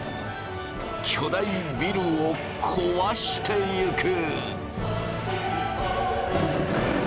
巨大ビルをこわしてゆく！